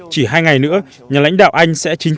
chỉ hai ngày nữa nhà lãnh đạo anh sẽ chính thức